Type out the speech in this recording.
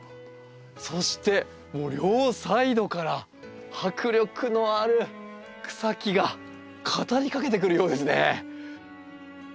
そしてもう両サイドから迫力のある草木が語りかけてくるようですね。